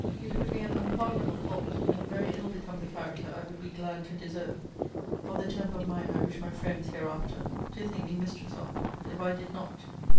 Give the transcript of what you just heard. It would be an unpardonable fault, and very ill become the character I would be glad to deserve, or the temper of mind I wish my friends hereafter to think me mistress of, if I did not.